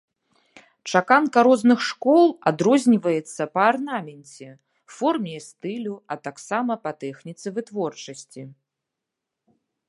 Чаканка розных школ адрозніваецца па арнаменце, форме і стылю, а таксама па тэхніцы вытворчасці.